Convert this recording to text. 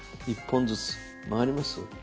１本ずつ曲がります？